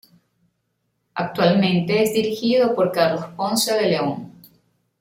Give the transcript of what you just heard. Actualmente es dirigido por Carlos Ponce de León.